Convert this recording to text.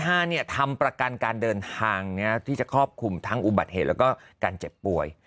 ทำประกันการเดินทางที่จะครอบคลุมทั้งอุบัติเหตุแล้วก็การเจ็บป่วย